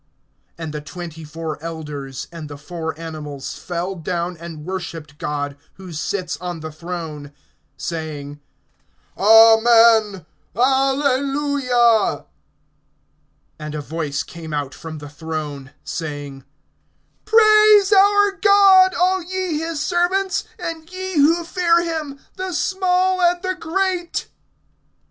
(4)And the twenty four elders, and the four animals, fell down and worshiped God, who sits on the throne, saying: Amen; Alleluia. (5)And a voice came out from the throne, saying: Praise our God, all ye his servants, and ye who fear him, the small and the great.